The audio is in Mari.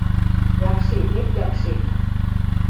Якши, бек якши.